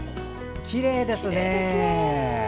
きれいですね。